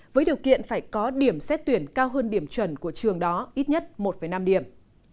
với điều kiện phải có điểm xét tuyển cao hơn điểm chuẩn của trường đó ít nhất một năm điểm